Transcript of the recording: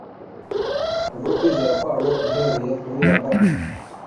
ku bwo kwizera kwabo uhereye kuri adamu